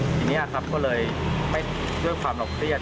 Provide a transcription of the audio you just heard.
ทีนี้ครับก็เลยไม่ด้วยความเราเครียด